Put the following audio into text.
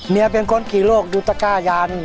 เป็นคนขี่โรคดูตะก้ายาน